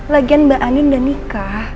lagian mbak anin udah nikah